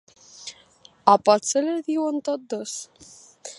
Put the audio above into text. O potser la diuen tots dos?